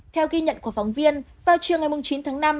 theo ghi nhận của phóng viên vào chiều ngày chín tháng năm